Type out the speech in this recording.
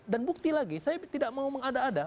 bukti lagi saya tidak mau mengada ada